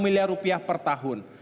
lima miliar rupiah per tahun